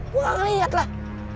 gue gak liat lah